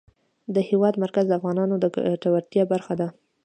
د هېواد مرکز د افغانانو د ګټورتیا برخه ده.